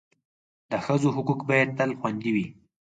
د ښځو حقوق باید تل خوندي وي.